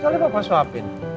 soalnya sekali papa suapin